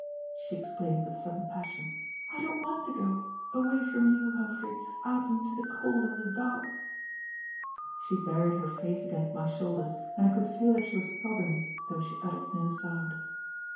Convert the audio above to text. she exclaimed with sudden passion, "I don't want to go away from you, Humphrey, out into the cold and the dark!" She buried her face against my shoulder, and I could feel that she was sobbing though she uttered no sound.